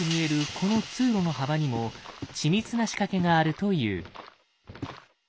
この通路の幅にも緻密な仕掛けがあるという。